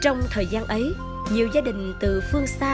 trong thời gian ấy nhiều gia đình từ phương xa